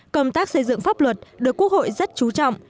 công tác xây dựng pháp luật được quốc hội rất chú trọng